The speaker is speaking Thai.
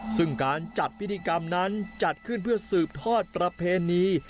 ซึ่งการจัดพิธีกรรมนั้นจัดขึ้นเพื่อสืบทอดประเพณี